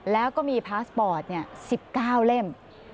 แล้วก็มีพาสปอร์ต๑๙เล่ม